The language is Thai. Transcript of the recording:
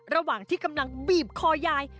ระหว่างที่กำลังบีบคอยาย